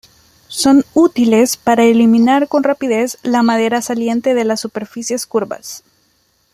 Son útiles para eliminar con rapidez la madera saliente de las superficies curvas.